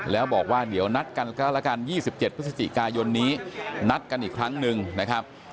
แล้วบอกว่าเดี๋ยวนัดกันก็แล้วกัน๒๗พฤศจิกายนนี้นัดกันอีกครั้งหนึ่งนะครับ